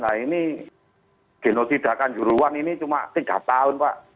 nah ini genotidakan juruan ini cuma tiga tahun pak